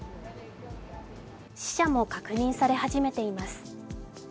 死者も確認され始めています。